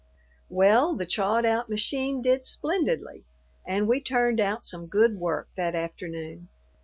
Well, the "chawed out" machine did splendidly, and we turned out some good work that afternoon.